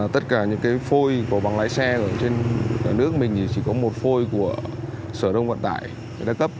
tất cả những phôi của bằng lái xe ở trên nước mình chỉ có một phôi của sở đông vận tải đã cấp